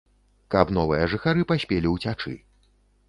Каб новыя жыхары паспелі ўцячы.